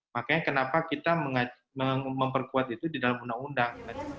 makanya kenapa kita memperkuat itu di dalam perjalanan